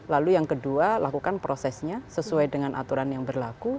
lalu yang kedua lakukan prosesnya sesuai dengan aturan yang berlaku